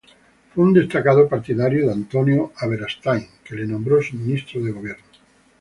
Fue un destacado partidario de Antonino Aberastain, que lo nombró su ministro de gobierno.